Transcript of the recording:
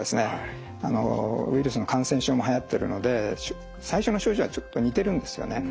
ウイルスの感染症もはやってるので最初の症状はちょっと似てるんですよね。